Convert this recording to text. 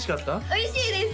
おいしいです！